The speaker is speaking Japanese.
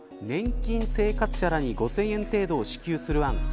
年金生活者らに５０００円程度を支給する案。